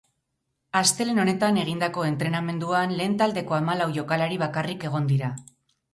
Astelehen honetan egindako entrenamenduan, lehen taldeko hamalau jokalari bakarrik egon dira.